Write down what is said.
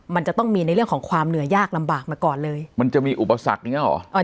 มันจะต้องมีในเรื่องของความเหนื่อยยากลำบากมาก่อนเลยมันจะมีอุปสรรคอย่างเงี้หรอ